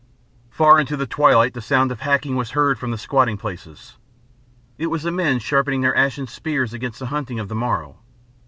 Far into the twilight the sound of hacking was heard from the squatting places. It was the men sharpening their ashen spears against the hunting of the morrow.